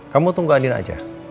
kamu tunggu andiena aja